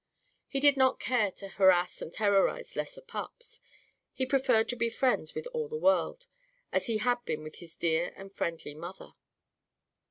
He did not care to harass and terrorize lesser pups. He preferred to be friends with all the world, as he had been with his dear and friendly mother.